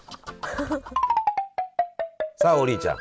さあ王林ちゃん。